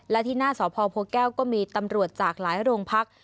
และที่หน้าสพโพแก้วก็มีตำรวจจากหลายโรงพัก